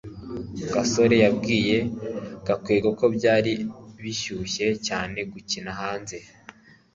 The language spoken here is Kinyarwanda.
gasore yabwiye gakwego ko byari bishyushye cyane gukina hanze